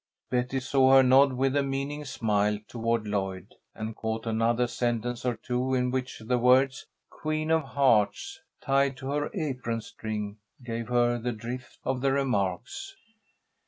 Betty saw her nod with a meaning smile toward Lloyd, and caught another sentence or two in which the words, "Queen of Hearts, tied to her apron string," gave her the drift of the remarks.